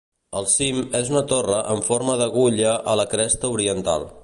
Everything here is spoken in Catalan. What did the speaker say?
El cim és una torre en forma d'agulla a la cresta oriental.